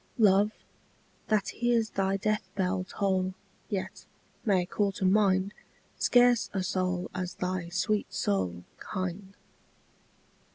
Love, that hears thy death bell toll Yet, may call to mind Scarce a soul as thy sweet soul Kind.